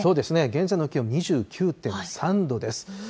現在の気温２９．３度です。